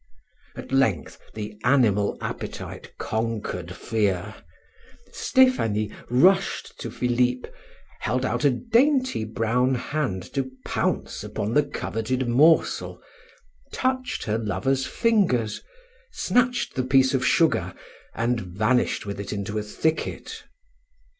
At length the animal appetite conquered fear; Stephanie rushed to Philip, held out a dainty brown hand to pounce upon the coveted morsel, touched her lover's fingers, snatched the piece of sugar, and vanished with it into a thicket.